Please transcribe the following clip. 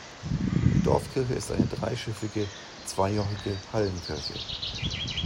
Die Dorfkirche ist eine dreischiffige, zweijochige Hallenkirche.